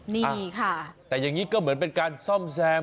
นี่ค่ะแต่อย่างนี้ก็เหมือนเป็นการซ่อมแซม